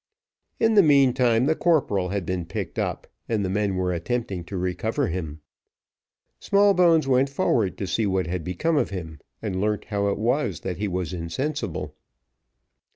In the meantime the corporal had been picked up, and the men were attempting to recover him. Smallbones went forward to see what had become of him, and learnt how it was that he was insensible.